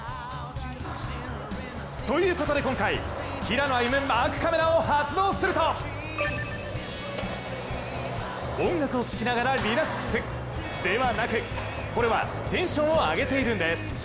ということで今回、平野歩夢マークカメラを発動すると音楽を聴きながらリラックスではなく。これはテンションを上げているんです。